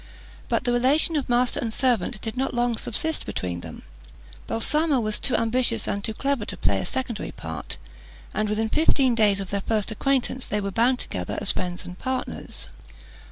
But the relation of master and servant did not long subsist between them; Balsamo was too ambitious and too clever to play a secondary part, and within fifteen days of their first acquaintance they were bound together as friends and partners.